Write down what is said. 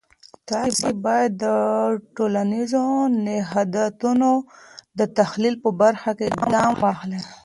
تاسې باید د ټولنیزو نهادونو د تحلیل په برخه کې ګام واخلی.